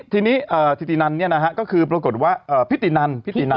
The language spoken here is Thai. ที่นี้ทิตินันเนี่ยนะฮะก็คือปรากฏว่าพิตินัน